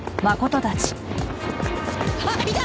あっいた！